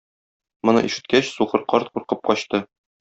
Моны ишеткәч, сукыр карт куркып качты.